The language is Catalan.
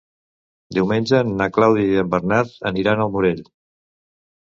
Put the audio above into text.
Diumenge na Clàudia i en Bernat aniran al Morell.